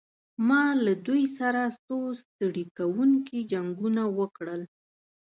ما له دوی سره څو ستړي کوونکي جنګونه وکړل.